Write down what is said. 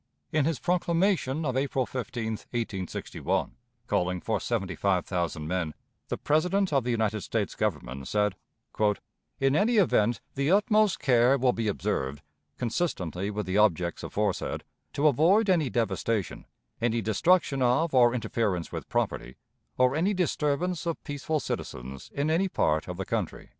In his proclamation of April 15, 1861, calling for seventy five thousand men, the President of the United States Government said: "In any event, the utmost care will be observed, consistently with the objects aforesaid, to avoid any devastation, any destruction of or interference with property, or any disturbance of peaceful citizens in any part of the country."